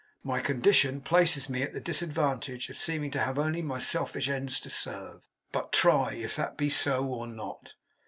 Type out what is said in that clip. My condition places me at the disadvantage of seeming to have only my selfish ends to serve, but try if that be so or not.